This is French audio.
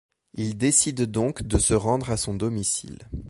Il décide donc de se rendre à son domicile.